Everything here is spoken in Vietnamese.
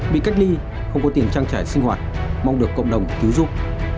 bị cách ly không có tiền trang trải sinh hoạt mong được cộng đồng cứu dụng